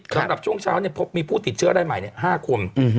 ข้างหลับช่วงเช้าเนี่ยพบมีผู้ติดเชื้ออะไรใหม่เนี่ย๕คน